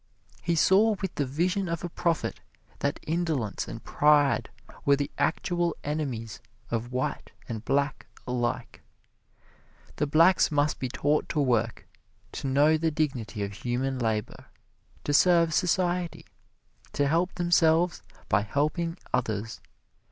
He saw with the vision of a prophet that indolence and pride were the actual enemies of white and black alike. The blacks must be taught to work to know the dignity of human labor to serve society to help themselves by helping others.